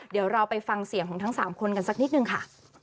เดี๋ยวเราไปฟังเสียงของทั้ง๓คนกันสักนิดนึงค่ะ